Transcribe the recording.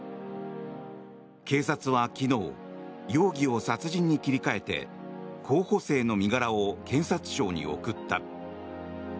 警察は昨日容疑を殺人に切り替えて候補生の身柄を検察庁に送った。